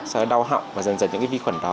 sau đó đau họng và dần dần những vi khuẩn đó